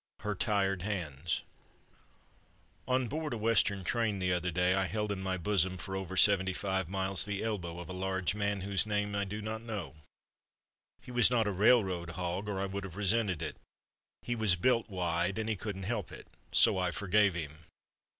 Her Tired Hands On board a western train the other day I held in my bosom for over seventy five miles the elbow of a large man whose name I do not know. He was not a railroad hog or I would have resented it. He was built wide and he couldn't help it, so I forgave him.